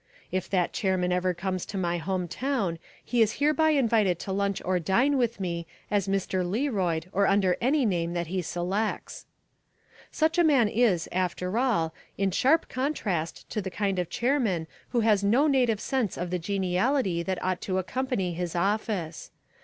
If that chairman ever comes to my home town he is hereby invited to lunch or dine with me, as Mr. Learoyd or under any name that he selects. Such a man is, after all, in sharp contrast to the kind of chairman who has no native sense of the geniality that ought to accompany his office.